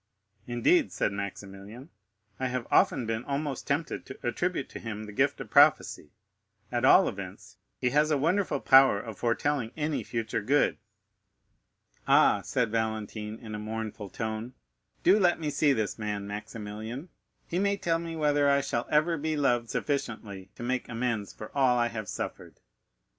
"Indeed," said Maximilian, "I have often been almost tempted to attribute to him the gift of prophecy; at all events, he has a wonderful power of foretelling any future good." "Ah," said Valentine in a mournful tone, "do let me see this man, Maximilian; he may tell me whether I shall ever be loved sufficiently to make amends for all I have suffered."